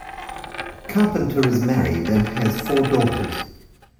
Carpenter is married and has four daughters.